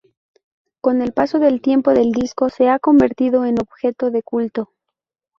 Con el paso del tiempo, el disco se ha convertido en objeto de culto.